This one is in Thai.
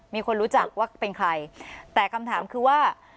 มีคนรู้จักว่าเป็นใครแต่คำถามคือว่า